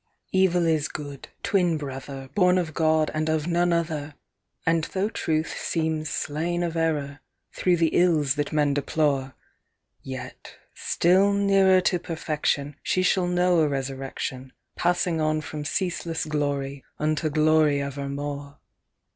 " Evil is of Good, twin brother, Born of God, and of none other : And though Truth seems slain of Error, through the ills that men deplore, Yet, still nearer to perfection, She shall know a resurrection, Passing on from ceaseless glory, unto glory ever more.